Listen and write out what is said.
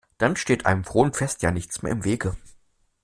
Dann steht einem frohen Fest ja nichts mehr im Weg.